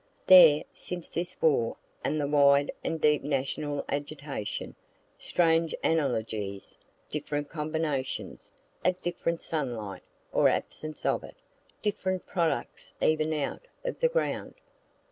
There, since this war, and the wide and deep national agitation, strange analogies, different combinations, a different sunlight, or absence of it; different products even out of the ground.